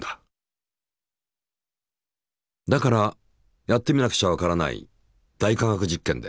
だからやってみなくちゃわからない「大科学実験」で。